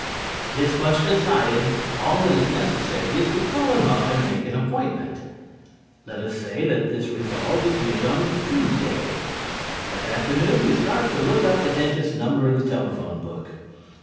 This much decided, all that is necessary is to call him up and make an appointment. Let us say that this resolve is made on Tuesday. That afternoon you start to look up the dentist's number in the telephone book.